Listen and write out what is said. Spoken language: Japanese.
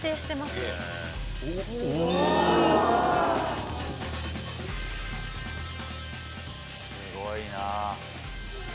すごいな。